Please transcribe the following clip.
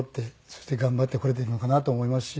そして頑張ってこれているのかなと思いますし。